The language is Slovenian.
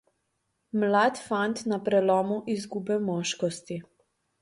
Mlad fant na prelomu izgube moškosti.